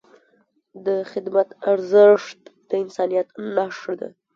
د خدمت ارزښت د انسانیت نښه ده.